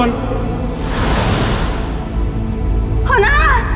พ่อหน้า